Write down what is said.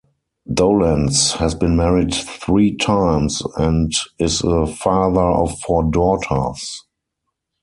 Dolenz has been married three times and is the father of four daughters.